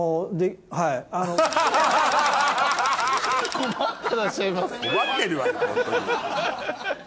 困ってらっしゃいます。